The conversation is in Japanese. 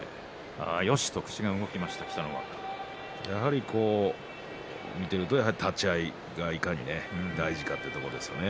よしと口が動いていた見ていると、立ち合いがいかに大事かというところですね。